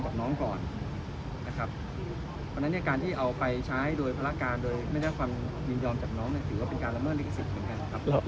กับน้องก่อนนะครับเพราะฉะนั้นเนี้ยการที่เอาไปใช้โดยพละการโดยไม่ได้ความลินยอมจากน้องเนี้ยถือว่าเป็นการละเมิดลิขสิทธิ์เหมือนกันครับ